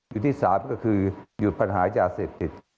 อยู่ที่สามก็คือหยุดปัญหาจากเศรษฐิต